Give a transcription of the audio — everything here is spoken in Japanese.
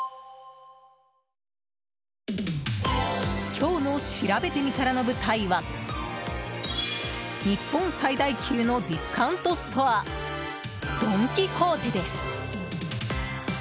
今日のしらべてみたらの舞台は日本最大級のディスカウントストアドン・キホーテです。